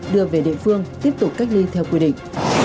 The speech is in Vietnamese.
đưa về địa phương tiếp tục cách ly theo quy định